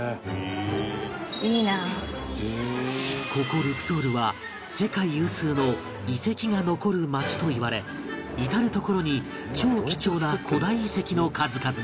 ここルクソールは世界有数の遺跡が残る街といわれ至る所に超貴重な古代遺跡の数々が